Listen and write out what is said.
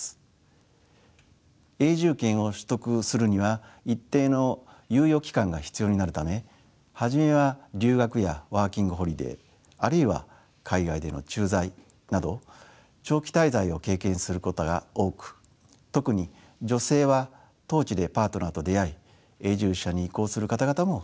永住権を取得するには一定の猶予期間が必要になるため初めは留学やワーキングホリデーあるいは海外での駐在など長期滞在を経験することが多く特に女性は当地でパートナーと出会い永住者に移行する方々も少なくないようですね。